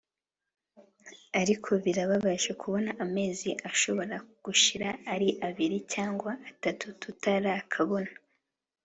ariko birababaje kubona amezi ashobora gushira ari abiri cyangwa atatu tutarakabona